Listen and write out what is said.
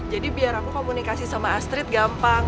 jadi biar aku komunikasi sama astrid gampang